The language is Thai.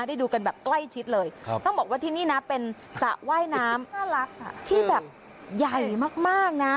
ดูกันแบบใกล้ชิดเลยต้องบอกว่าที่นี่นะเป็นสระว่ายน้ำน่ารักที่แบบใหญ่มากนะ